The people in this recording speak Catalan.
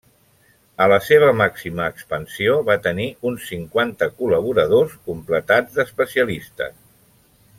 A la seva màxima expansió va tenir uns cinquanta col·laboradors completats d'especialistes.